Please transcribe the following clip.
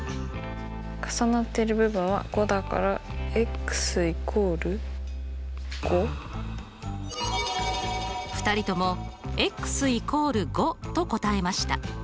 重なっている部分は５だから２人とも＝５と答えました。